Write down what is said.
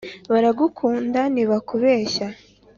baragukunda ntibakubeshya